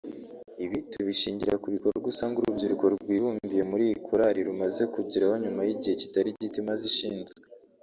Ibi tubishingira kubikorwa usanga urubyiruko rwibumbiye muri iyi korali rumaze kugeraho nyuma y’igihe kitari gito imaze ishinzwe